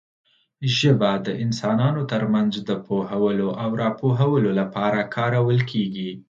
ژبه د انسانانو ترمنځ د پوهولو او راپوهولو لپاره کارول کېږي.